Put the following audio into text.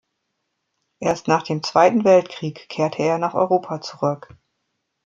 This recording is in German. Erst nach dem Zweiten Weltkrieg kehrte er nach Europa zurück.